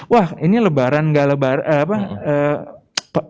wah ini lebaran gak lebaran apa